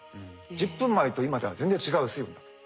１０分前と今では全然違う水温だと。